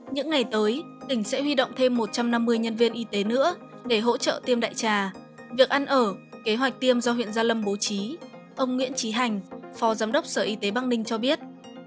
những ngày tới tỉnh sẽ huy động thêm một trăm năm mươi nhân viên y tế nữa để hỗ trợ tiêm đại trà việc ăn ở kế hoạch tiêm do huyện gia lâm bố trí ông nguyễn trí hành phó giám đốc sở y tế băng ninh cho biết